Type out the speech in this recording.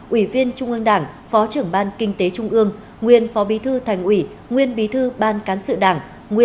ủy viên trung ương đảng phó trưởng ban kinh tế trung ương nguyên phó bí thư thành ủy nguyên bí thư ban cán sự đảng nguyên